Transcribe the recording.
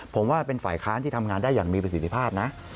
ผมว่าเป็นฝ่ายค้านที่ทำงานได้อย่างมีประสิทธิภาพนะ